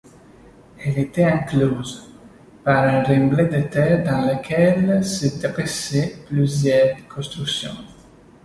Elle était enclose par un remblai de terre dans lequel se dressaient plusieurs constructions.